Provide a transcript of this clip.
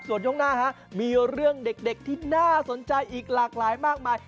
ส่วนช่วงหน้ามีเรื่องเด็กที่น่าสนใจอีกหลากหลายมากมาย